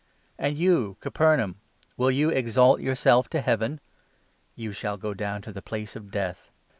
And 23 you, Capernaum ! Will you ' exalt yourself to Heaven '?' You shall go down to the Place of Death.